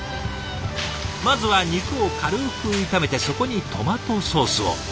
まずは肉を軽く炒めてそこにトマトソースを。